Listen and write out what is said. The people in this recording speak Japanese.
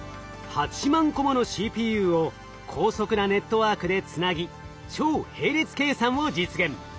８万個ものＣＰＵを高速なネットワークでつなぎ超並列計算を実現。